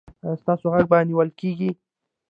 ایا ستاسو غږ به نیول کیږي؟